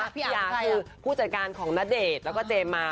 พี่ยาคือผู้จัดการของณเดชน์แล้วก็เจมมา